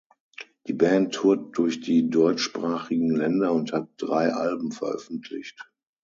Die Band tourt durch die deutschsprachigen Länder und hat drei Alben veröffentlicht.